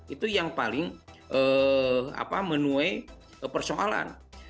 itu yang paling menuai persoalan